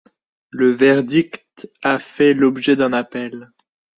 Le verdict a fait l'objet d'un appel.